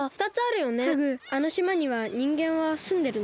ハグあのしまにはにんげんはすんでるの？